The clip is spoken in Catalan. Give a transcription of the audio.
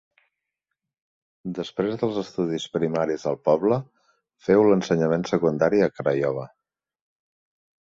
Després dels estudis primaris al poble, féu l'ensenyament secundari a Craiova.